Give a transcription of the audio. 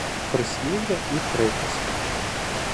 Прислів’я і приказки